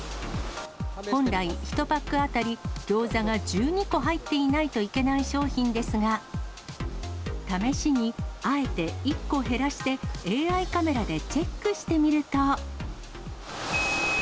本来、１パック当たりギョーザが１２個入っていないといけない商品ですが、試しに、あえて１個減らして、ＡＩカメラでチェックしてみると。